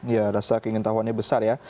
ya rasa keinginan tahwannya besar ya